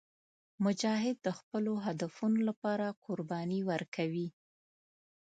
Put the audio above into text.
مجاهد د خپلو هدفونو لپاره قرباني ورکوي.